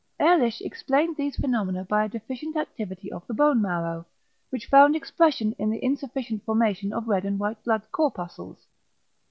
Ehrlich explained these phenomena by a deficient activity of the bone marrow, which found expression in the insufficient formation of red and white blood corpuscles.